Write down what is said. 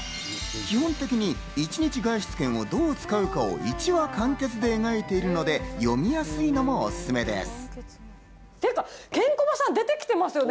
基本的に１日外出券をどう使うかを１話完結で描いているので、読みやすいのもおすすめです。